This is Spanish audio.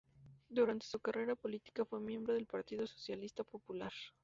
Durante su carrera política fue miembro del Partido Socialista Popular.